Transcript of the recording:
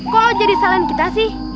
kalo jadi salahin kita sih